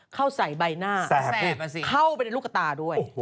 เข้าใส่ใบหน้าเข้าไปในลูกตาด้วย